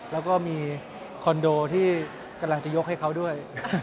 แล้วก็มีคอนโดที่กำลังจะยกให้เขาด้วย